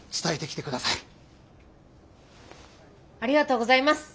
ありがとうございます！